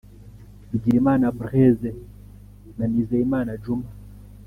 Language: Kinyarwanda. Bigirimana Blaise na Nizeyimana Djuma